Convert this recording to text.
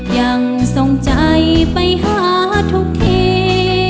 ยังทรงใจไปหาทุกที